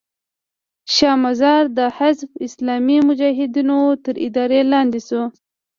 شا مزار د حزب اسلامي مجاهدینو تر اداره لاندې شو.